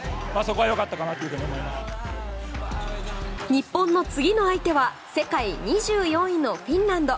日本の次の相手は世界２４位のフィンランド。